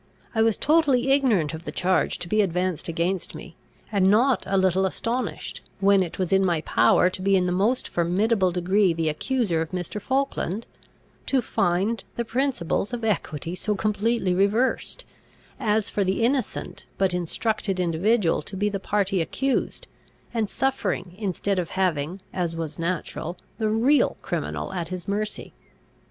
I was totally ignorant of the charge to be advanced against me; and not a little astonished, when it was in my power to be in the most formidable degree the accuser of Mr. Falkland, to find the principles of equity so completely reversed, as for the innocent but instructed individual to be the party accused and suffering, instead of having, as was natural, the real criminal at his mercy.